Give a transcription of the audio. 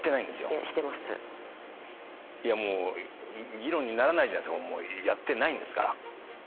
議論にならないじゃないですかやってないんですから。